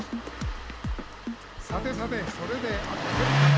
「さてさてそれで合ってるかな？」